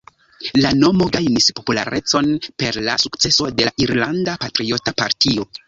La nomo gajnis popularecon per la sukceso de la Irlanda Patriota Partio.